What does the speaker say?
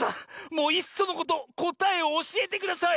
もういっそのことこたえをおしえてください！